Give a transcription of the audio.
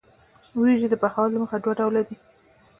وریجې د پخولو له مخې دوه ډوله دي.